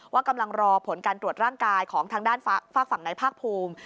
กำลังรอผลการตรวจร่างกายของทางด้านฝากฝั่งในภาคภูมิ